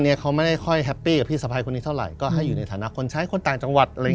เนี่ยเขาไม่ได้ค่อยแฮปปี้พี่สะพ้ายคนนี้เท่าไหร่ก็ให้อยู่ในฐานะคนใช้คนต่างจังหวัดเลย